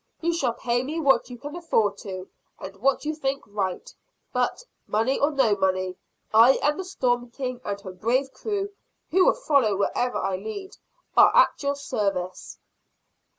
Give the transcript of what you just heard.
You shall pay me what you can afford to, and what you think right; but, money or no money, I and the Storm King, and her brave crew, who will follow wherever I lead, are at your service!"